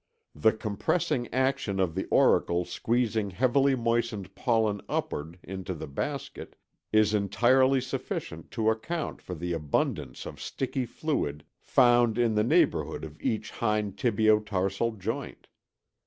The compressing action of the auricle squeezing heavily moistened pollen upward into the basket is entirely sufficient to account for the abundance of sticky fluid found in the neighborhood of each hind tibio tarsal joint.